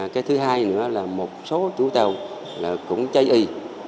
cái thứ hai nữa là một số chú tàu cũng cháy y